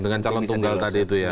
dengan calon tunggal tadi itu ya